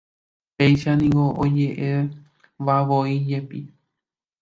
Péicha niko oje'evavoíjepi.